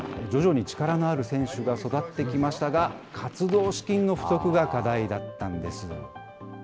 徐々に力のある選手が育ってきましたが、活動資金の不足が課題だったんです。